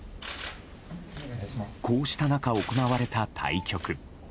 こうした中、行われた対局。